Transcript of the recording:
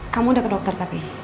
kamu udah ke dokter tapi